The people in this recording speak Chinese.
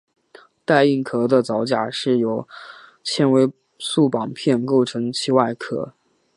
带硬壳的甲藻是由纤维素板片构成其外壳。